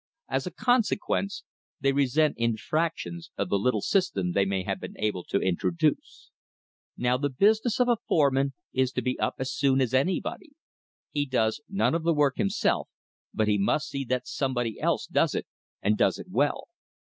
As a consequence, they resent infractions of the little system they may have been able to introduce. Now the business of a foreman is to be up as soon as anybody. He does none of the work himself, but he must see that somebody else does it, and does it well.